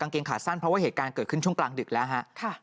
เกงขาสั้นเพราะว่าเหตุการณ์เกิดขึ้นช่วงกลางดึกแล้วฮะ